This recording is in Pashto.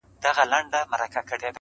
څوك به اوښكي تويوي پر مينانو-